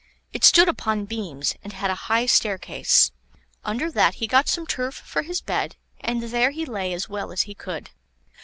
It stood upon beams, and had a high staircase. Under that he got some turf for his bed, and there he lay as well as he could.